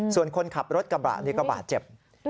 ส่วนคนขับรถกระบะนี่ก็บาดเจ็บ